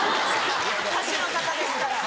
歌手の方ですから。